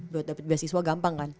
buat dapet beasiswa gampang kan